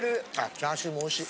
チャーシューもおいしい。